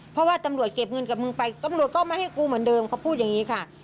เพราะว่าตำรวจเก็บเงินตำรวจก็มาให้กูเหมือนเดิมมึงก็พูดอย่างนี้ค่ะ